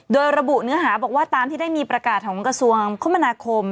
โดยระบุเนื้อหาบอกว่าตามที่ได้มีประกาศของกระทรวงคมนาคม